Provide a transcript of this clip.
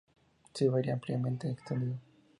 Siberia: Ampliamente extendido.